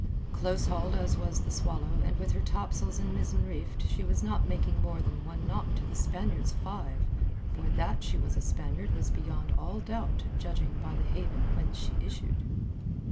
Close hauled as was the Swallow and with her top sails and mizzen reefed she was not making more than one knot to the Spaniard's five—for that she was a Spaniard was beyond all doubt judging by the haven whence she issued.